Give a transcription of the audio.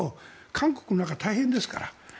韓国は大変ですから。